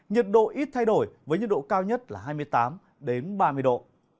nhiệt độ ít thay đổi với nhiệt độ cao nhất là hai mươi tám ba mươi độ